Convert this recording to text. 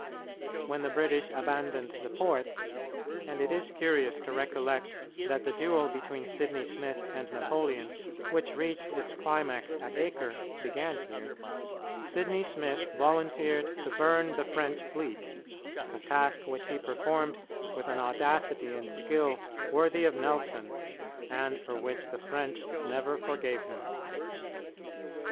When the British abandoned the port and it is curious to recollect that the duel between Sidney Smith and Napoleon, which reached its climax at Acre, began here Sidney Smith volunteered to burn the French fleet, a task which he performed with an audacity and skill worthy of Nelson, and for which the French never forgave him.